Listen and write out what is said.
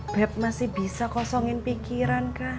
beb masih bisa kosongin pikiran kan